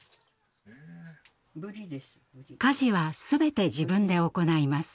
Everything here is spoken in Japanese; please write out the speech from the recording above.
家事は全て自分で行います。